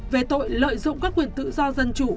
về tội lợi dụng các quyền tự do dân chủ